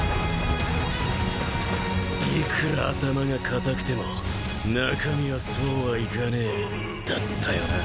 いくら頭がかたくても中身はそうはいかねえだったよな。